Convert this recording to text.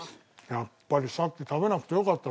やっぱりさっき食べなくてよかった。